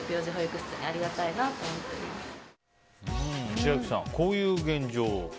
千秋さん、こういう現状。